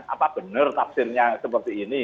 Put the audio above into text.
apa benar tafsirnya seperti ini